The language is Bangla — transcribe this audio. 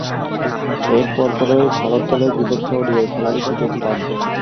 এর পরপরই ভারত দলের বিপক্ষে ওডিআই খেলার সুযোগ পান।